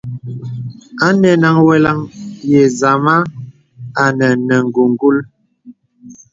Anɛnaŋ weləŋ yə̀ zàma à nə̀ nə̀ ngùngul.